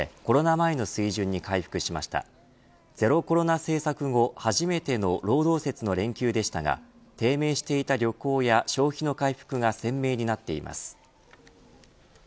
ゼロコロナ政策後、初めての労働節の連休でしたが低迷していた旅行や消費の回復が鮮明になっています。